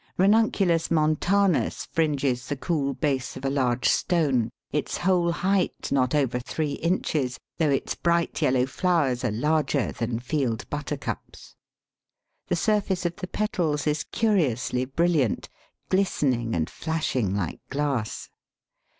Ranunculus montanus fringes the cool base of a large stone; its whole height not over three inches, though its bright yellow flowers are larger than field buttercups. The surface of the petals is curiously brilliant, glistening and flashing like glass.